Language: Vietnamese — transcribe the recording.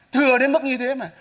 thừa đến mức như thế mà